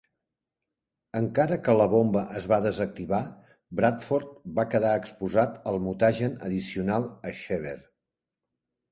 Encara que la bomba es va desactivar, Bradford va quedar exposat al mutagen addicional a Xever.